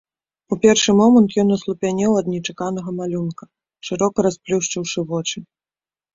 У першы момант ён аслупянеў ад нечаканага малюнка, шырока расплюшчыўшы вочы.